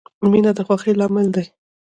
• مینه د خوښۍ لامل دی.